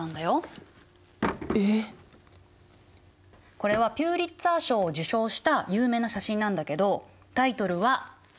これはピュリツァー賞を受賞した有名な写真なんだけどタイトルは「戦争の恐怖」